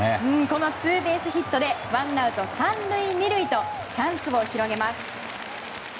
このツーベースヒットでワンアウト３塁２塁とチャンスを広げます。